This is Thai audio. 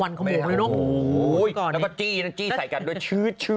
แล้วก็นับจี้ใส่กันด้วยชื๊ด